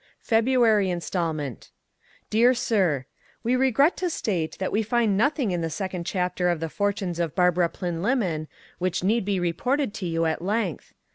FEBRUARY INSTALMENT Dear Sir: We regret to state that we find nothing in the second chapter of the Fortunes of Barbara Plynlimmon which need be reported to you at length.